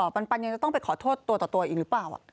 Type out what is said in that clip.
ปันยังจะต้องไปขอโทษตัวต่อตัวอีกหรือเปล่า